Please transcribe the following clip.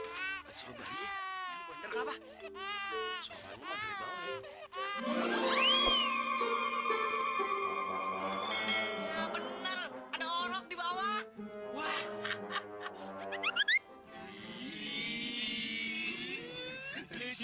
mau lihat deh